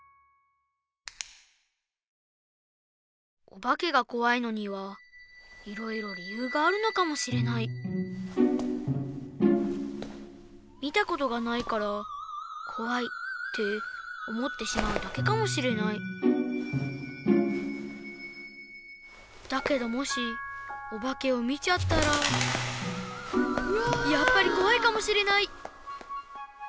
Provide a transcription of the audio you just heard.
おばけがこわいのにはいろいろりゆうがあるのかもしれないみたことがないから「こわい」っておもってしまうだけかもしれないだけどもしおばけをみちゃったらやっぱりこわいかもしれない！